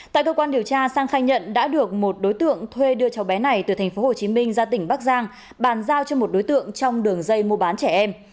tại cơ quan điều tra sang khai nhận đã được một đối tượng thuê đưa cháu bé này từ tp hcm ra tỉnh bắc giang bàn giao cho một đối tượng trong đường dây mua bán trẻ em